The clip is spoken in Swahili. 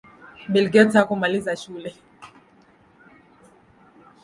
Bill Gates hakumaliza shule